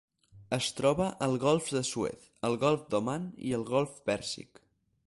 Es troba al golf de Suez, el golf d'Oman i el golf Pèrsic.